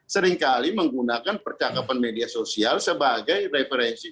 seringkali menggunakan percakapan media sosial sebagai referensi